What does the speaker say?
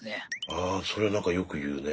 あそれ何かよくいうね。